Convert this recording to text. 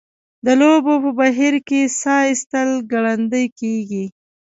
د لوبو په بهیر کې ساه ایستل ګړندۍ کیږي.